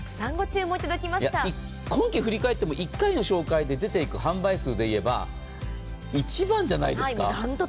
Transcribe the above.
今季振り返っても１回の紹介で出ていく販売数が一番じゃないですか。